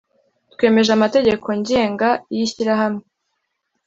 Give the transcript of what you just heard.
Twemeje Amategeko ngenga y Ishyirahamwe